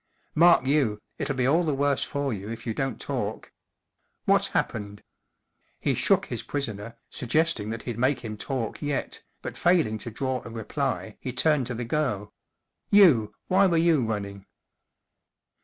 44 Mark you, it'll be all the worse for you if you don't talk. What's happened ?" He shook his prisoner, suggesting that he'd make him talk yet, but failing to draw a reply he turned to the girl: 44 You, why were you running